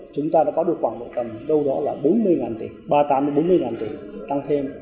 chúng ta đã có được khoảng một tầng đâu đó là bốn mươi tỷ ba mươi tám bốn mươi tỷ tăng thêm